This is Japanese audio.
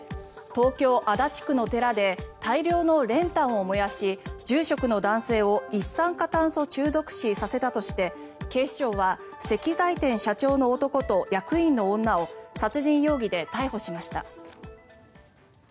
東京・足立区の寺で大量の練炭を燃やし住職の男性を一酸化炭素中毒死させたとして警視庁は石材店社長の男と役員の女を殺人容疑で逮捕しました。